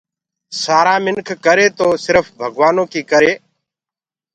سآرآ منک ڪر تو سِرڦ ڀگوآنو ڪي ڪري۔